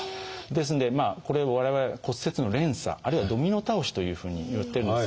ですのでこれを我々は骨折の連鎖あるいはドミノ倒しというふうに言ってるんですが。